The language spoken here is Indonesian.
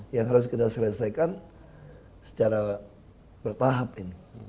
yang harus kita selesaikan secara bertahap ini